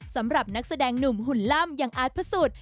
สำหรับนักแสดงหนุ่มหุ่นล่ำอย่างอาร์ตพระสุทธิ์